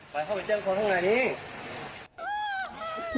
มันบิดเข้าไปเจอของห้องหน้านี้